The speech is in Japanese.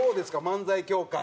漫才協会。